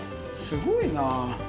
すごいな。